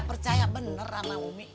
gak percaya bener sama umi